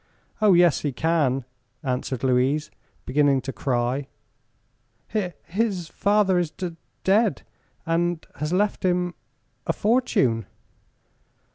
"Oh, yes, he can," answered Louise, beginning to cry. "Hi his father is d dead, and has left him a fortune."